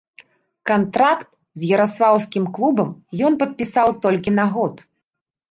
Кантракт з яраслаўскім клубам ён падпісаў толькі на год.